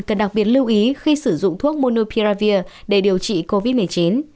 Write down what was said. cần đặc biệt lưu ý khi sử dụng thuốc monopia để điều trị covid một mươi chín